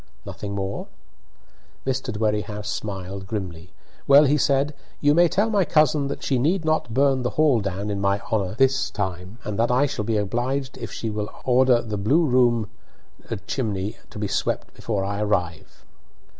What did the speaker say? "Nothing more?" Mr. Dwerrihouse smiled grimly. "Well," he said, "you may tell my cousin that she need not burn the hall down in my honour this time, and that I shall be obliged if she will order the blue room chimney to be swept before I arrive."